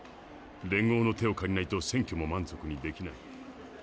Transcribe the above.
連合の手を借りないと選挙も満足にできない。